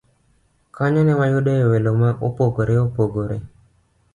Kanyo ne wayudoe welo mopogore opogore